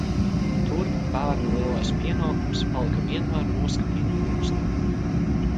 Tur bērnu lielais pienākums palika vienmēr noskatīt pulksteni.